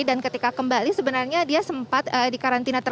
dan ketika kembali sebenarnya dia sempat dikarantina